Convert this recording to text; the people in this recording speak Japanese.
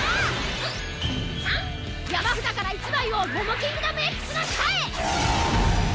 山札から１枚をモモキングダムＸの下へ！